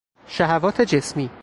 شهوات جسمی